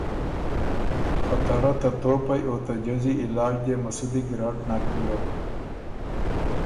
خه ته رۀ ته توپئ او ته جزی علاج دې مسُودی ګیرډ نک بیوک۔